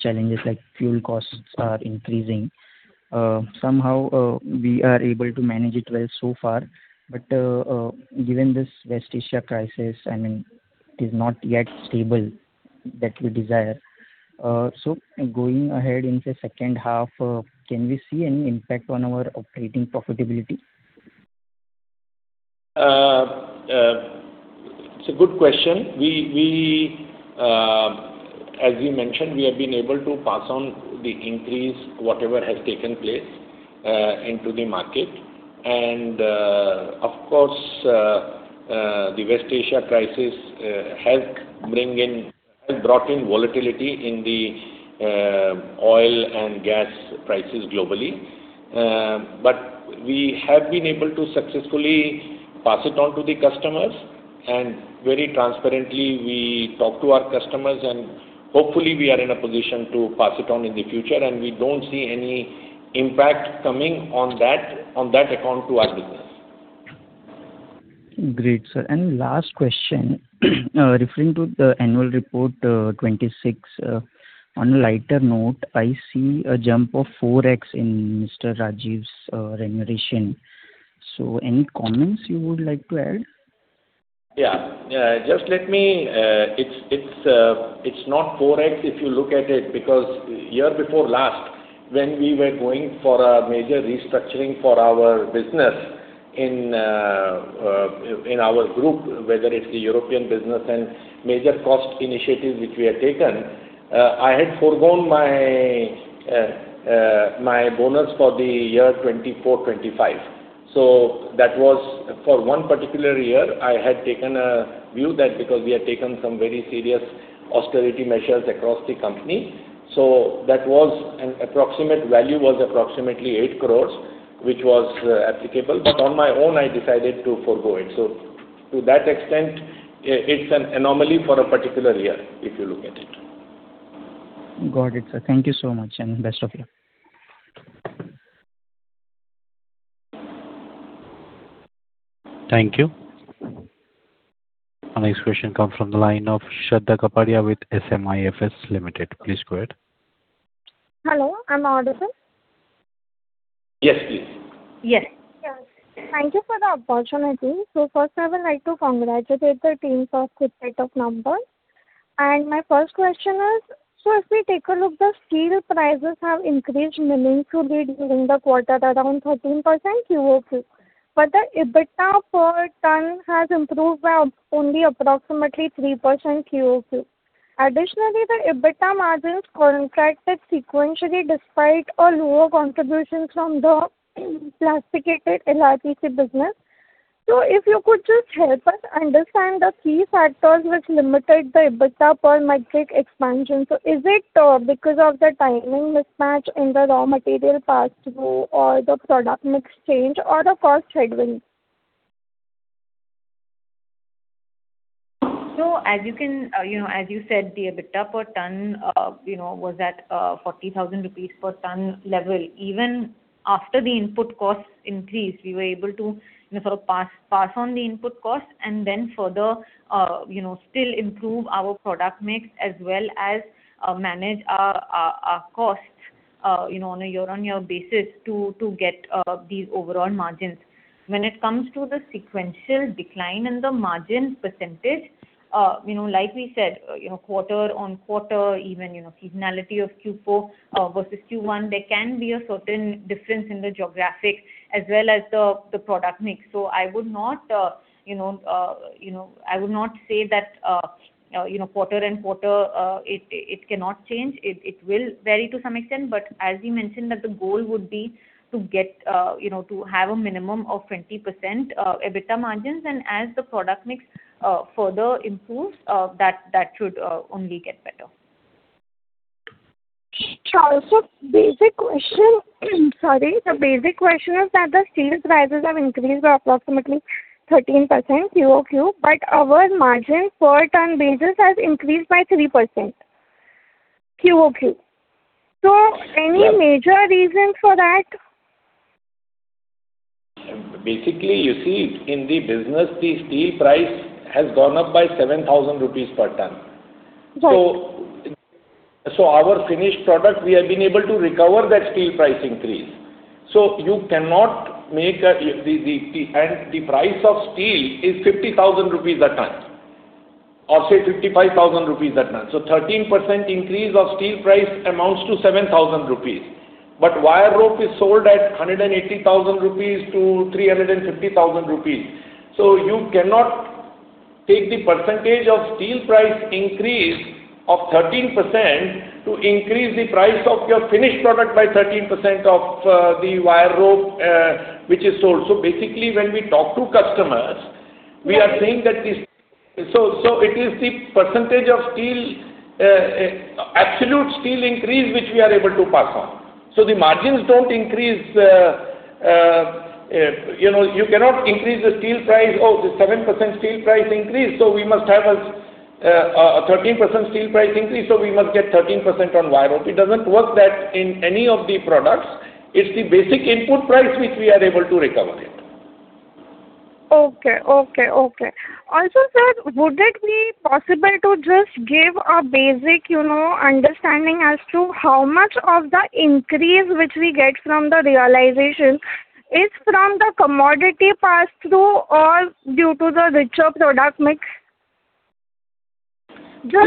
challenges, like fuel costs are increasing. Somehow, we are able to manage it well so far. Given this West Asia crisis, I mean, it is not yet stable That we desire. Going ahead into second half, can we see any impact on our operating profitability?
It's a good question. As we mentioned, we have been able to pass on the increase, whatever has taken place, into the market. Of course, the West Asia crisis helped bring in, and brought in volatility in the oil and gas prices globally. We have been able to successfully pass it on to the customers, very transparently we talk to our customers, hopefully we are in a position to pass it on in the future, we don't see any impact coming on that account to our business.
Great, sir. Last question. Referring to the annual report 2026, on a lighter note, I see a jump of 4x in Mr. Rajeev's remuneration. Any comments you would like to add?
Yeah. It's not 4x if you look at it, because year before last, when we were going for a major restructuring for our business in our group, whether it's the European business and major cost initiatives which we had taken, I had foregone my bonus for the year 2024/2025. That was for one particular year, I had taken a view that because we had taken some very serious austerity measures across the company. That was an approximate value was approximately 8 crores, which was applicable. On my own, I decided to forego it. To that extent, it's an anomaly for a particular year if you look at it.
Got it, sir. Thank you so much, and best of luck.
Thank you. Our next question comes from the line of Shraddha Kapadia with SMIFS Limited. Please go ahead.
Hello, I'm audible?
Yes, please.
Yes.
Yes. Thank you for the opportunity. First, I would like to congratulate the team for a good set of numbers. My first question is, if we take a look, the steel prices have increased meaningfully during the quarter, around 13% QoQ. The EBITDA per ton has improved by only approximately 3% QoQ. Additionally, the EBITDA margins contracted sequentially despite a lower contribution from the plasticated LRPC business. If you could just help us understand the key factors which limited the EBITDA per metric expansion. Is it because of the timing mismatch in the raw material pass-through, or the product mix change, or the cost headwinds?
As you said, the EBITDA per ton was at 40,000 rupees per ton level. Even after the input costs increased, we were able to pass on the input cost and then further still improve our product mix as well as manage our costs on a year-on-year basis to get these overall margins. When it comes to the sequential decline in the margin percentage, like we said, quarter-on-quarter, even seasonality of Q4 versus Q1, there can be a certain difference in the geographic as well as the product mix. I would not say that quarter-on-quarter it cannot change. It will vary to some extent. As we mentioned, that the goal would be to have a minimum of 20% EBITDA margins, and as the product mix further improves, that should only get better.
Sure. Basic question. Sorry. The basic question is that the steel prices have increased by approximately 13% QoQ, Our margin per ton basis has increased by 3% QoQ. Any major reason for that?
In the business, you see, the steel price has gone up by 7,000 rupees per ton.
Right.
Our finished product, we have been able to recover that steel price increase. The price of steel is 50,000 rupees a ton, or say 55,000 rupees a ton. 13% increase of steel price amounts to 7,000 rupees. Wire rope is sold at 180,000-350,000 rupees. You cannot take the percentage of steel price increase of 13% to increase the price of your finished product by 13% of the wire rope, which is sold. Basically, when we talk to customers.
Right
We are saying that this it is the absolute steel increase which we are able to pass on. The margins don't increase. You cannot increase the steel price. Oh, the 7% steel price increased, so we must have a 13% steel price increase, so we must get 13% on wire rope. It doesn't work that way in any of the products. It's the basic input price which we are able to recover it.
Okay. Sir, would it be possible to just give a basic understanding as to how much of the increase which we get from the realization is from the commodity pass-through or due to the richer product mix? Yeah,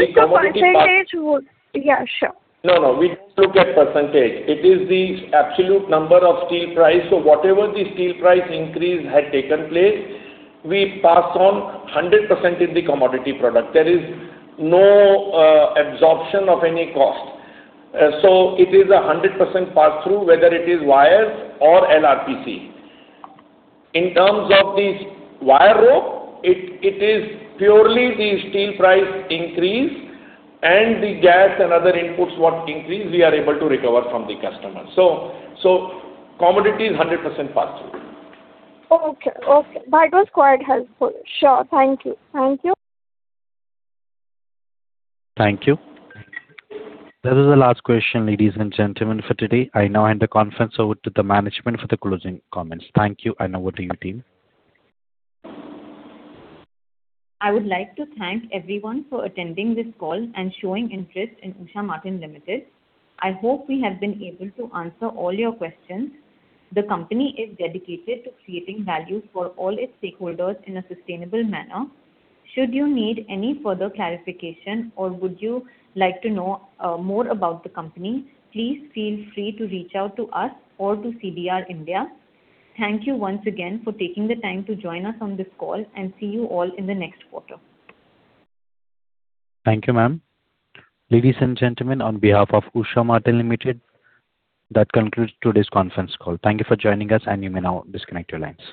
sure.
No, we don't look at percentage. It is the absolute number of steel price. Whatever the steel price increase had taken place, we pass on 100% in the commodity product. There is no absorption of any cost. It is 100% pass-through, whether it is wires or LRPC. In terms of the wire rope, it is purely the steel price increase and the gas and other inputs what increased, we are able to recover from the customer. Commodity is 100% pass-through.
Okay. That was quite helpful. Sure. Thank you.
Thank you. That is the last question, ladies and gentlemen, for today. I now hand the conference over to the management for the closing comments. Thank you, and over to you, team.
I would like to thank everyone for attending this call and showing interest in Usha Martin Limited. I hope we have been able to answer all your questions. The company is dedicated to creating value for all its stakeholders in a sustainable manner. Should you need any further clarification or would you like to know more about the company, please feel free to reach out to us or to CDR India. Thank you once again for taking the time to join us on this call, and see you all in the next quarter.
Thank you, ma'am. Ladies and gentlemen, on behalf of Usha Martin Limited, that concludes today's conference call. Thank you for joining us, and you may now disconnect your lines.